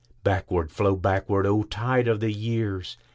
Backward, flow backward, O tide of the years!